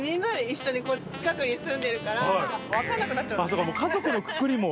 そうか家族のくくりも。